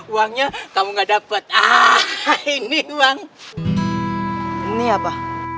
uangnya kamu gak dapat ah ini uang ini apa